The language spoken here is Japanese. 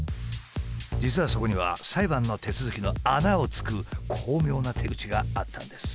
実はそこには裁判の手続きの穴をつく巧妙な手口があったんです。